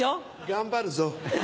頑張るぞ。